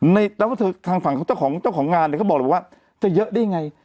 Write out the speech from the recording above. แล้วทางฝั่งเจ้าของงานเขาบอกจะเยอะได้ยังไง